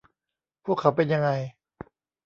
พวกเขาเป็นยังไง